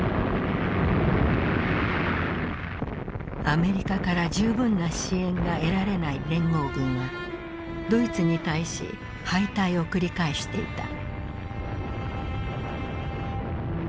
アメリカから十分な支援が得られない連合軍はドイツに対し敗退を繰り返していた。